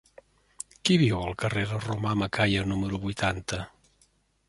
Qui viu al carrer de Romà Macaya número vuitanta?